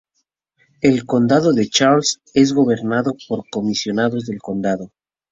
El Condado de Charles es gobernado por comisionados de condado.